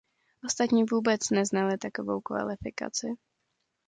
Ostatní vůbec neznali takovou kvalifikaci.